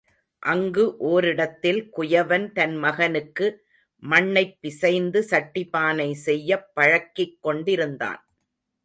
அங்கு ஒரிடத்தில் குயவன் தன் மகனுக்கு மண்ணைப் பிசைந்து சட்டி பானை செய்யப் பழகிக் கொண்டிருந்தான்.